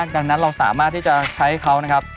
ดังนั้นเราสามารถที่จะใช้เขานะครับ